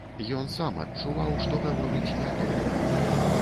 Ён сам адчуваў, што гаворыць не тое.